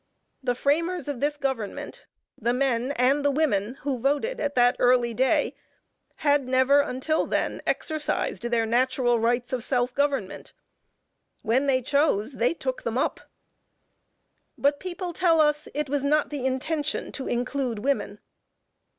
The framers of this government, the men and the women who voted at that early day had never until then, exercised their natural rights of self government; when they chose, they took them up. But people tell us it was not the intention to include women.